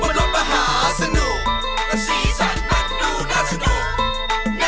มันรถมหาสนุกมันสี่สันมันดูน่าสนุก